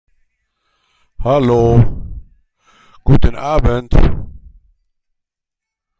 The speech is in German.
Ebenfalls gab es leichte Änderungen an Interieur und Exterieur.